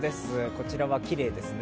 こちらはきれいですね。